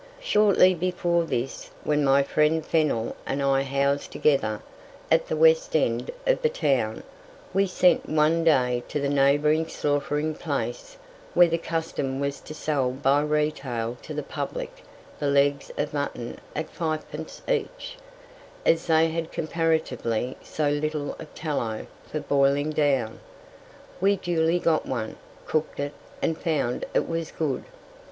Shortly before this, when my friend Fennell and I housed together at the west end of the town, we sent one day to the neighbouring slaughtering place, where the custom was to sell by retail to the public the legs of mutton at 5 pence each, as they had comparatively so little of tallow for boiling down. We duly got one, cooked it, and found it very good.